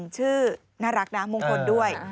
ชื่อน่ารักนะมงคลด้วย